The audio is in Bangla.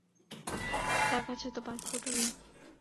তোর কাছেতো পাসপোর্টও নাই।